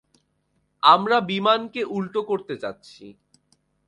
আমরা বিমানকে উল্টো করতে যাচ্ছি।